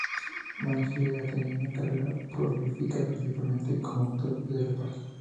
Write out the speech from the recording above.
McGinley ha tenido una carrera prolífica, principalmente como actor de reparto.